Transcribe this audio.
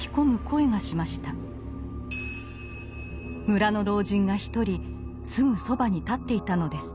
村の老人が一人すぐそばに立っていたのです。